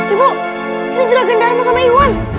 ibu ini juragen dharma sama iwan